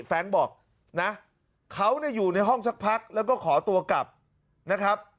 รงค์บอกนะเขาอยู่ในห้องสักพักแล้วก็ขอตัวกลับนะครับ